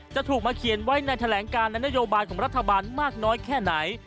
จะถูกมาเขียนไว้ในแถลงการและนโยบายของรัฐบาลมากน้อยแค่ไหน